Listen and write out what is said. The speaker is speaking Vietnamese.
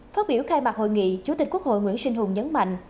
phát biểu khai mạc hội nghị chủ tịch quốc hội nguyễn sinh hùng nhấn mạnh